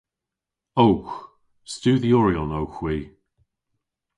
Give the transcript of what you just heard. Owgh. Studhyoryon owgh hwi.